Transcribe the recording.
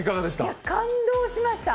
感動しました。